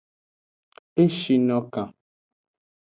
E shi no kan.